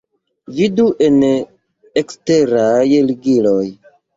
Vidu en eksteraj ligiloj.